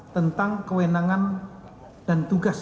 tentang kewenangan dan tugas